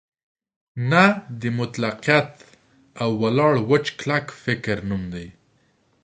نه د مطلقیت او ولاړ وچ کلک فکر نوم دی.